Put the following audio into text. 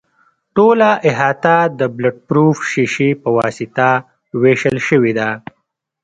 ټوله احاطه د بلټ پروف شیشې په واسطه وېشل شوې ده.